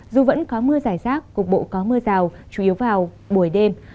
dù vẫn có mưa giải rác cục bộ có mưa rào chủ yếu vào buổi đêm